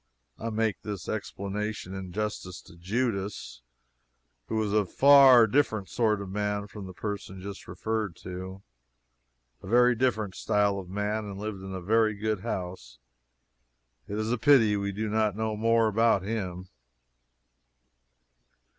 I make this explanation in justice to Judas, who was a far different sort of man from the person just referred to. A very different style of man, and lived in a very good house. It is a pity we do not know more about him.